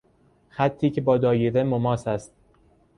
خطی که با دایره مماس است.